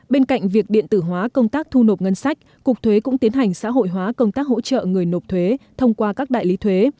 bên cạnh việc điện tử hóa công tác thu nộp ngân sách cục thuế cũng tiến hành xã hội hóa công tác hỗ trợ người nộp thuế thông qua các đại lý thuế